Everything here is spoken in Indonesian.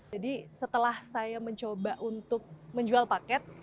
jadi setelah saya mencoba untuk menjual paket